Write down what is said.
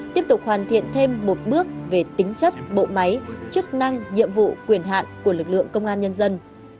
tiếp tục hoàn thiện thêm một bước về tính chất bộ máy chức năng nhiệm vụ quyền hạn của lực lượng công an nhân dân